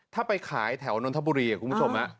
ถ้าไปขายแถวนนทบุรีคุณผู้ชม